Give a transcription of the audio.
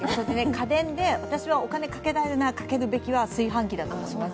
家電で、私はお金をかけられるなら、かけるべきは炊飯器だと思います。